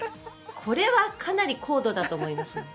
これはかなり高度だと思います。